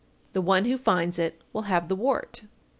The one who finds it will have the wart.